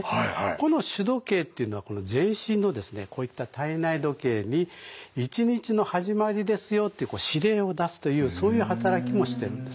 この主時計というのは全身のこういった体内時計に一日の始まりですよって司令を出すというそういう働きもしてるんですね。